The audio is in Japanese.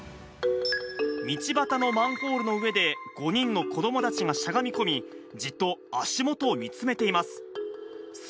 道端のマンホールの上で、５人の子どもたちがしゃがみ込み、じっと足元を見つめています。